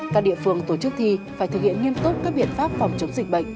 các địa phương tổ chức thi phải thực hiện nghiêm túc các biện pháp phòng chống dịch bệnh